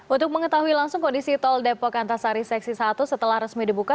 untuk mengetahui langsung kondisi tol depok antasari seksi satu setelah resmi dibuka